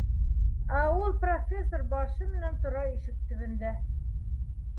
Ә ул профессор башы менән тора ишек төбөндә